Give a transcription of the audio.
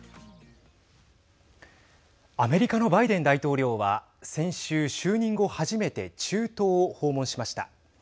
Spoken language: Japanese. アメリカのバイデン大統領は先週、就任後初めて中東を訪問しました。